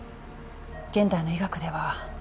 現代の医学では